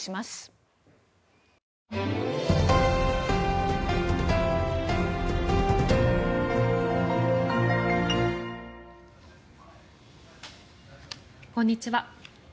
こんにちは。